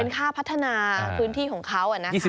ค่าพัฒนาพื้นที่ของเขานะคะ